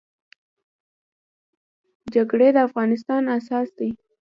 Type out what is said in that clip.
جرګي د افغانستان اساس دی.